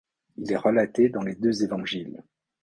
Il est relaté dans deux Évangiles.